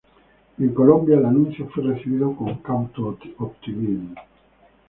En Colombia, el anuncio fue recibido con cauto optimismo.